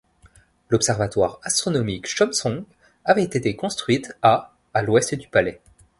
L'observatoire astronomique Chomsong avait été construit à à l'ouest du palais.